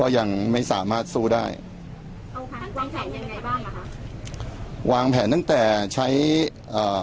อย่างไม่สามารถสู้ได้วางแผนตั้งแต่ใช้เอ่อ